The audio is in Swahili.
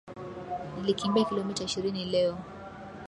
Nilikimbia kilomita ishirini leo.